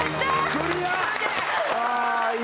クリア。